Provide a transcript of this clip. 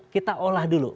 kita olah dulu